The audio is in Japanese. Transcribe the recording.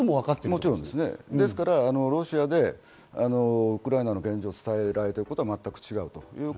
もちろんロシアでウクライナの現状、伝えられていることは全く違うと。